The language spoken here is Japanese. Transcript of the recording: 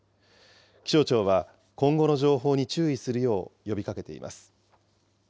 気象庁は、今後の情報に注意するよう呼びかけています。